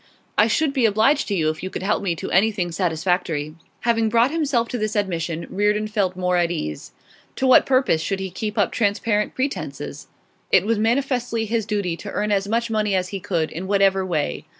'I should be obliged to you if you could help me to anything satisfactory.' Having brought himself to this admission, Reardon felt more at ease. To what purpose should he keep up transparent pretences? It was manifestly his duty to earn as much money as he could, in whatever way.